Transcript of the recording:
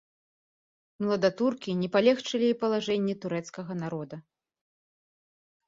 Младатуркі не палегчылі і палажэнні турэцкага народа.